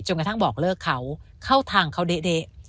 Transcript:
กระทั่งบอกเลิกเขาเข้าทางเขาเด๊ะ